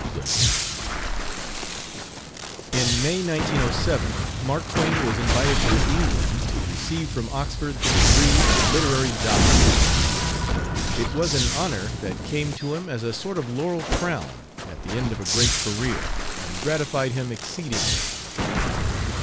CLEMENS. In May, 1907, Mark Twain was invited to England to receive from Oxford the degree of Literary Doctor. It was an honor that came to him as a sort of laurel crown at the end of a great career, and gratified him exceedingly.